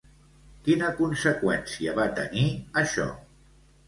Quina conseqüència va tenir, això?